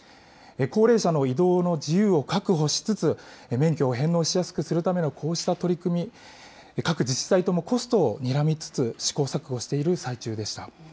高齢者の移動の自由を確保しつつ、免許を返納しやすくするためのこうした取り組み、各自治体ともコストをにらみつつ、試行錯誤している最中でした。